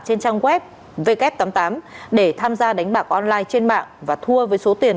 trên trang web w tám mươi tám để tham gia đánh bạc online trên mạng và thua với số tiền